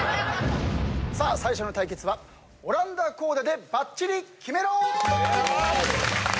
最初の対決はオランダコーデでバッチリキメろー！